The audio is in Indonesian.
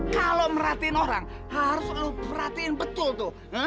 kalo merhatiin orang harus lu merhatiin betul tuh